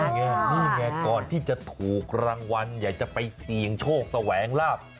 นี่ไงนี่ไงก่อนที่จะถูกรางวัลอยากจะไปเสี่ยงโชคแสวงลาบ